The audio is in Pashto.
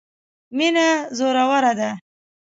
مینه زوروره ده.